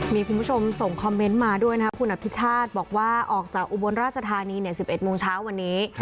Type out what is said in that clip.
มีคุณผู้ชมส่งคอมเมนต์มาด้วยนะครับคุณอภิชาติบอกว่าออกจากอุบลราชธานี๑๑โมงเช้าวันนี้